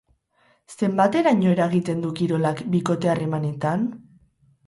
Zenbateraino eragiten du kirolak bikote harremanetan?